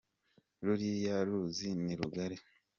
Ruriya ruzi ni rugari.